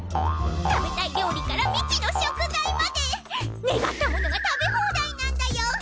⁉食べたい料理から未知の食材まで願った物が食べ放題なんだよ！